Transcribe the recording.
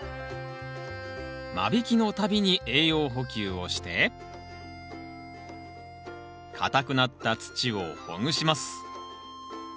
間引きの度に栄養補給をしてかたくなった土をほぐします